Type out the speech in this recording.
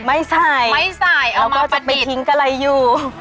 ไม่ใส่ไม่ใส่เอามาประดิษฐ์แล้วก็จะไปทิ้งกะไรอยู่